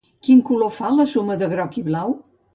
Quin color fa la suma de groc i blau?